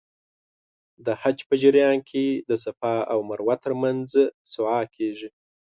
د حج په جریان کې د صفا او مروه ترمنځ سعی کېږي.